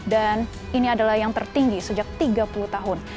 dan ini adalah yang tertinggi sejak tiga puluh tahun